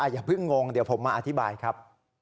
อย่าเพิ่งงงเดี๋ยวผมมาอธิบายครับ